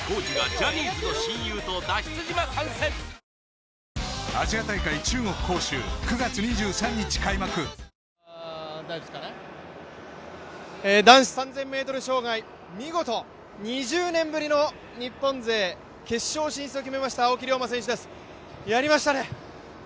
このあと男子３０００ｍ障害、男子３０００ｍ障害見事２０年ぶりの日本勢決勝進出を決めました、青木涼真選手です、やりましたね！